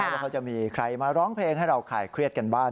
ว่าเขาจะมีใครมาร้องเพลงให้เราขายเครียดกันบ้าง